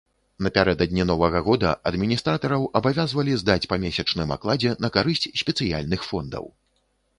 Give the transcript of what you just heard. Напярэдадні новага года адміністратараў абавязвалі здаць па месячным акладзе на карысць спецыяльных фондаў.